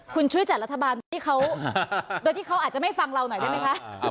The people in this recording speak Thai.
คุณช่วยจัดรัฐบาลที่เขาโดยที่เขาอาจจะไม่ฟังเราหน่อยได้ไหมคะ